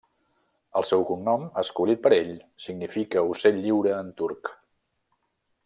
El seu cognom, escollit per ell, significa ocell lliure en turc.